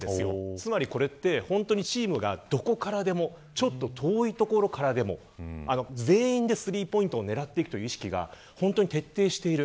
つまりこれってチームがどこからでもちょっと遠い所からでも全員でスリーポイント狙っているという意識を徹底している。